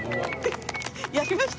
やりました！